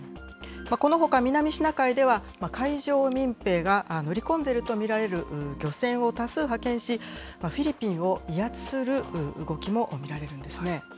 このほか、南シナ海では海上民兵が乗り込んでいると見られる漁船を多数派遣し、フィリピンを威圧する動きも見られるんですね。